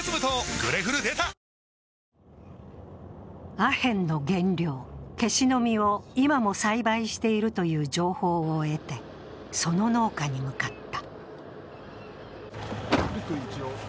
アヘンの原料、ケシの実を今も栽培しているという情報をえて、その農家に向かった。